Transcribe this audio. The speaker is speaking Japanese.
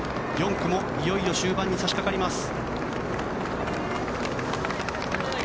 ４区もいよいよ終盤に差し掛かります。